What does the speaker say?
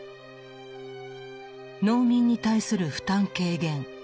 農民に対する負担軽減